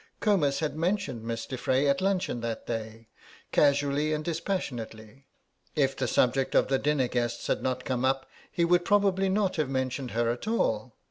Comus had mentioned Miss de Frey at luncheon that day, casually and dispassionately; if the subject of the dinner guests had not come up he would probably not have mentioned her at all.